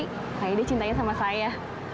kayaknya dia cintainya sama saya